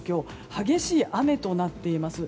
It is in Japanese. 激しい雨となっています。